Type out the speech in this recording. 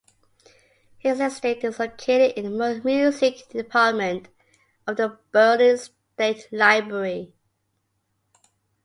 His estate is located in the music department of the Berlin State Library.